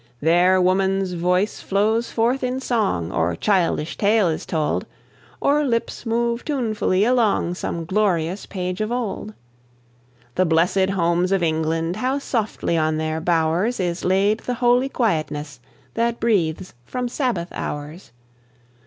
There woman's voice flows forth in song, Or childish tale is told, Or lips move tunefully along Some glorious page of old. The blessèd homes of England! How softly on their bowers Is laid the holy quietness That breathes from Sabbath hours!